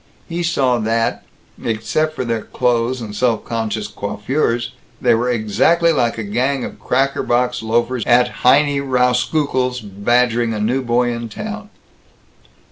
He saw that, except for their clothes and self conscious coiffures, they were exactly like a gang of cracker box loafers at Heinie Rauskukle's badgering a new boy in town.